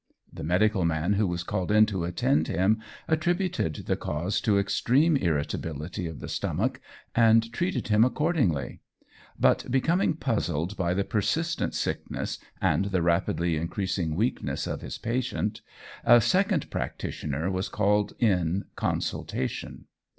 The medical man who was called in to attend him, attributed the cause to extreme irritability of the stomach and treated him accordingly; but, becoming puzzled by the persistent sickness and the rapidly increasing weakness of his patient, a second practitioner was called in consultation.